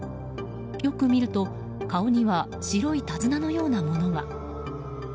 よく見ると、顔には白い手綱のようなものが。